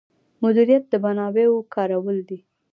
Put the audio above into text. مدیریت د منابعو کارول دي